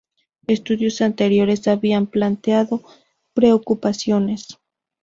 Estudios anteriores habían planteado preocupaciones.